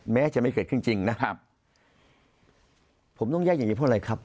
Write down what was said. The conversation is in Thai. แม้จะไม่เกิดขึ้นจริงนะครับผมต้องแยกอย่างนี้เพราะอะไรครับ